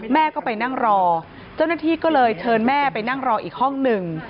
แม่ก็ไปนั่งรอเจ้าหน้าที่ก็เลยเชิญแม่ไปนั่งรออีกห้องหนึ่ง